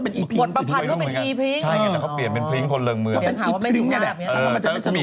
แล้วก็เป็นอีพริ้งค์คนเริ่งกาไม้